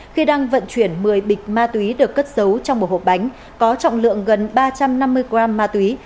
khi đang vận chuyển một mươi bịch ma túy được cất giấu trong một hộp bánh có trọng lượng gần ba trăm năm mươi gram ma túy